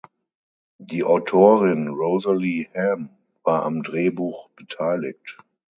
Die Autorin Rosalie Ham war am Drehbuch beteiligt.